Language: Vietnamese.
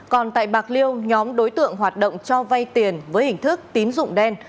còn tại bạc liêu nhóm đối tượng hoạt động cho vay tiền với hình thức tín dụng đen